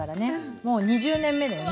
もう２０年目だよね。